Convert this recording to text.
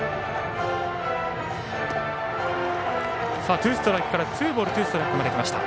ツーストライクからツーボール、ツーストライクまできました。